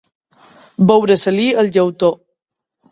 Veure-se-li el llautó.